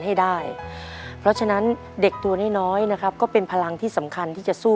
ให้ได้เพราะฉะนั้นเด็กตัวน้อยน้อยนะครับก็เป็นพลังที่สำคัญที่จะสู้